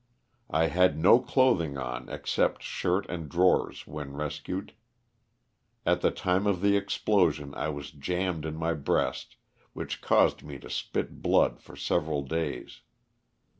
I had no cloth ing on except shirt and drawers when rescued. At the time of the explosion I was jammed in my breast, which caused me to spit blood for several days.